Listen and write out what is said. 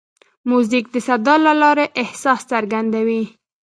موزیک د صدا له لارې احساس څرګندوي.